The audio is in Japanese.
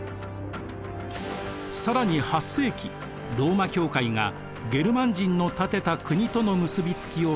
更に８世紀ローマ教会がゲルマン人の建てた国との結びつきを強めます。